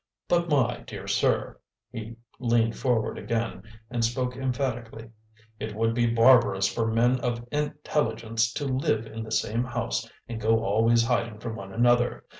But, my dear sir" he leaned forward again, and spoke emphatically "it would be barbarous for men of intelligence to live in the same house and go always hiding from one another!